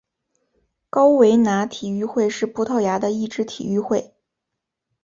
高维拿体育会是葡萄牙的一支体育会。